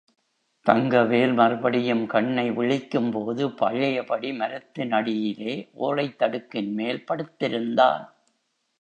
தங்கவேல் மறுபடியும் கண்ணை விழிக்கும்போது பழையபடி மரத்தின் அடியிலே ஓலைத் தடுக்கின்மேல் படுத்திருந்தான்.